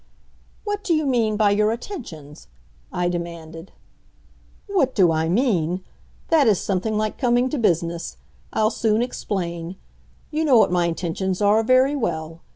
"What do you mean by your attentions?" I demanded. "What do I mean! That is something like coming to business. I'll soon explain. You know what my intentions are very well.